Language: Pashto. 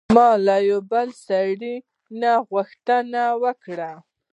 ما له یوه بل سړي نه غوښتنه وکړه.